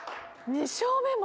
２笑目も。